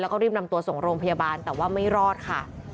แล้วก็รีบนำตัวส่งโรงพยาบาลแต่ว่าไม่รอดค่ะ